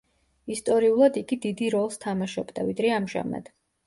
ისტორიულად იგი დიდი როლს თამაშობდა, ვიდრე ამჟამად.